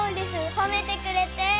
ほめてくれて。